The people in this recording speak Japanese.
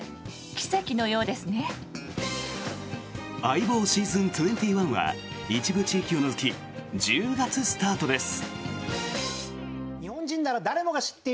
「相棒ｓｅａｓｏｎ２１」は一部地域を除き１０月スタートです！